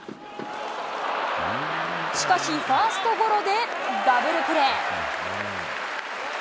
しかし、ファーストゴロでダブルプレー。